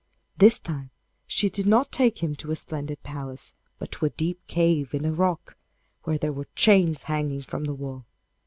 This time she did not take him to a splendid palace, but to a deep cave in a rock, where there were chains hanging from the wall.